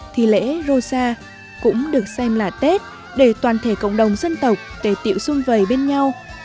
thì lễ rô xa cũng được xem là tết để toàn thể cộng đồng dân tộc tề tiệu sung vầy bên nhau